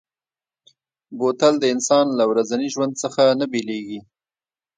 بوتل د انسان له ورځني ژوند څخه نه بېلېږي.